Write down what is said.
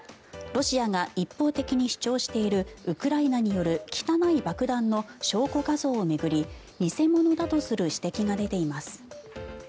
ロシアが一方的に主張しているウクライナによる汚い爆弾の証拠画像を巡り偽物だとする指摘が出ています。